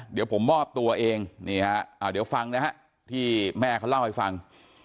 เดี๋ยวผมมอบตัวเองนี่ฮะเดี๋ยวฟังนะฮะที่แม่เขาเล่าให้ฟัง